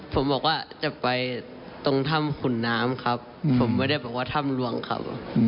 ผมบอกว่าจะไปตรงถ้ำขุนน้ำครับผมไม่ได้บอกว่าถ้ำลวงเขา